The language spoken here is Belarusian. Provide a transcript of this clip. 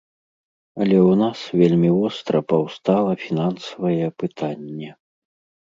Але ў нас вельмі востра паўстала фінансавае пытанне.